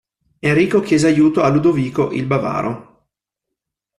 Enrico chiese aiuto a Ludovico il Bavaro.